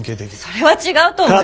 それは違うと思います。